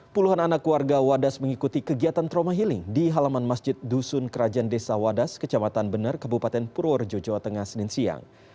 puluhan anak warga wadas mengikuti kegiatan trauma healing di halaman masjid dusun kerajaan desa wadas kecamatan bener kabupaten purworejo jawa tengah senin siang